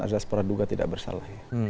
azaz peraduga tidak bersalah